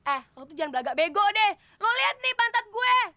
eh lo tuh jangan beragak bego deh lo liat nih pantat gue